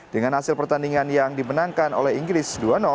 dengan hasil pertandingan yang dimenangkan oleh inggris dua